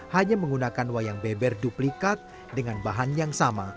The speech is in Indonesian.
hanya menggunakan wayang beber duplikat dengan bahan yang sama